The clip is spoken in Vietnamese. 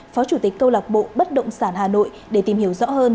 phó chủ tịch câu lạc bộ bất động sản hà nội để tìm hiểu rõ hơn